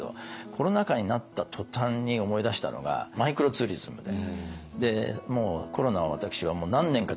コロナ禍になった途端に思い出したのがマイクロツーリズムで。